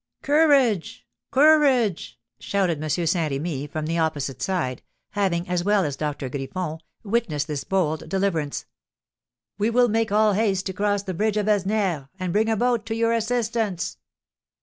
"Courage! Courage!" shouted M. de Saint Remy, from the opposite side, having, as well as Doctor Griffon, witnessed this bold deliverance. "We will make all haste to cross the bridge of Asnières, and bring a boat to your assistance."